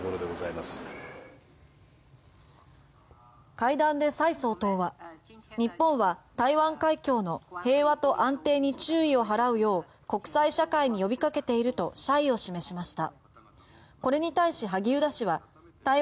会談で蔡総統は日本は台湾海峡の平和と安定に注意を払うよう国際社会に呼びかけていると謝意を示しました。